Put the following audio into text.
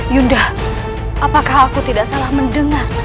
yuda apakah aku tidak salah mendengar